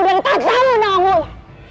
dari takutmu awang gula